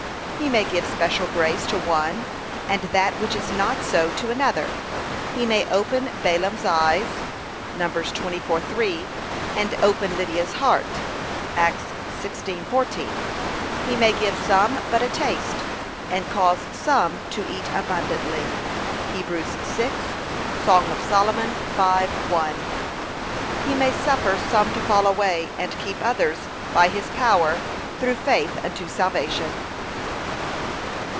He may give special grace to one, and that which is not so to another: he may open Balaam's eyes, (Num. 24:3) and open Lydia'a heart; (Acts 16:14) he may give some but a taste, and cause some to eat abundantly. (Heb. 6; Songs 5:1) He may suffer some to fall away, and keep others, by his power, through faith unto salvation.